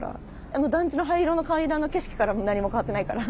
あの団地の灰色の階段の景色からも何も変わってないから。